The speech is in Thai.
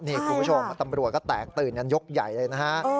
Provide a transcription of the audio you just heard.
นี่คุณผู้ชมตำรวจก็แตกตื่นกันยกใหญ่เลยนะฮะ